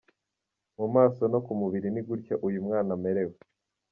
Mu maso no ku mubiri ni gutya uyu mwana amerewe.